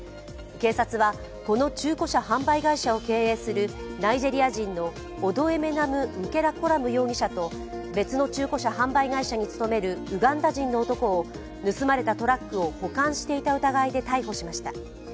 警察はこの中古車販売会社を経営するナイジェリア人のオドエメナム・ンケマコラム容疑者と別の中古車販売会社に勤めるウガンダ人の男を盗まれたトラックを保管していた疑いで逮捕しました。